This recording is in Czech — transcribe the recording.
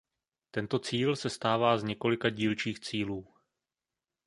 Tento cíl sestává z několika dílčích cílů.